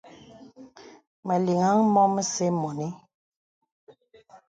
Məlìŋà mɔ̄ŋ məsə mɔ̄nì.